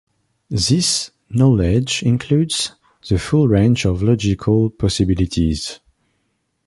This knowledge includes the full range of logical possibilities.